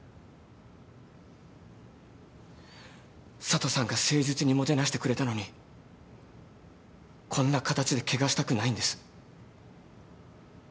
佐都さんが誠実にもてなしてくれたのにこんな形で汚したくないんです。